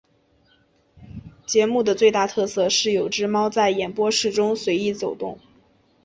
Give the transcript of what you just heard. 节目的最大特色是有只猫在演播室中随意走动。